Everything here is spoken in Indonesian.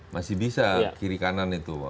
masih bisa kiri kanan itu